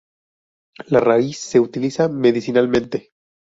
La raíz se utiliza medicinalmente.